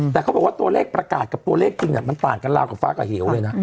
แต่เขาบอกว่าตัวเลขประกาศกับตัวเลขจริงมันต่างกันราวกับฟ้ากับเหวเลยนะ